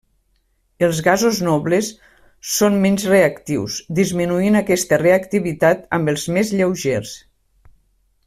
Els gasos nobles són menys reactius, disminuint aquesta reactivitat amb els més lleugers.